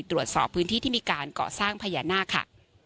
ตรวจสอบพื้นที่ที่มีการก่อสร้างพญานาคค่ะ